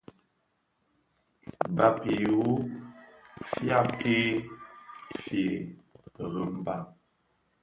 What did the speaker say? Bàb i iru fyàbki fyëë rembàg.